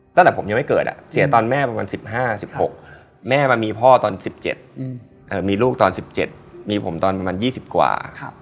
ตั้งแต่ผมยังไม่เกิดเสียตอนแม่ประมาณ๑๕๑๖แม่มามีพ่อตอน๑๗มีลูกตอน๑๗มีผมตอนประมาณ๒๐กว่า